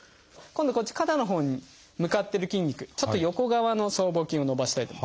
今度こっち肩のほうに向かってる筋肉ちょっと横側の僧帽筋を伸ばしたいとき。